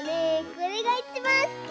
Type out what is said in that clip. これがいちばんすき！